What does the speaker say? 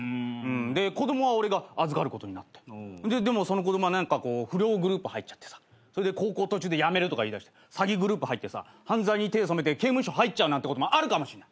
で子供は俺が預かることになってでもその子供は不良グループ入っちゃってさそれで高校途中で辞めるとか言いだして詐欺グループ入ってさ犯罪に手染めて刑務所入っちゃうなんてこともあるかもしれない。